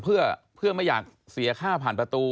เพื่อไม่อยากเสียค่าผ่านประตู